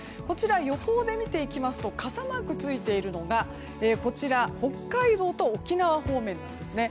予報で見ていきますと傘マークがついているのが北海道と沖縄方面ですね。